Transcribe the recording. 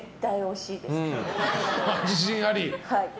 自信あり。